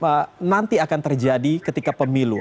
dengan apa yang nanti akan terjadi ketika pemilu